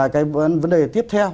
cái vấn đề tiếp theo